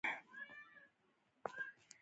هغه ډول وده او پرمختګ کوي.